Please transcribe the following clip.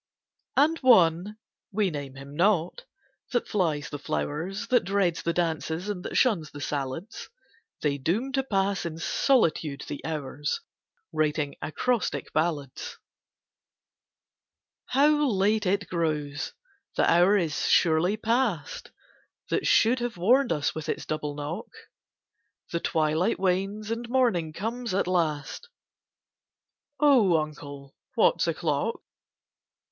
And One (we name him not) that flies the flowers, That dreads the dances, and that shuns the salads, They doom to pass in solitude the hours, Writing acrostic ballads. How late it grows! The hour is surely past That should have warned us with its double knock? The twilight wanes, and morning comes at last— "Oh, Uncle, what's o'clock?"